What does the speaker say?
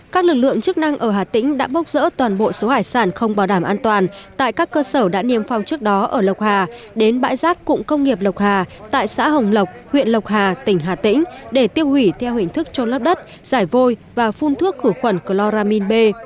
các lực lượng chức năng ở hà tĩnh đã bốc rỡ toàn bộ số hải sản không bảo đảm an toàn tại các cơ sở đã niêm phong trước đó ở lộc hà đến bãi rác cụng công nghiệp lộc hà tại xã hồng lộc huyện lộc hà tỉnh hà tĩnh để tiêu hủy theo hình thức trôn lấp đất giải vôi và phun thuốc khử khuẩn chloramin b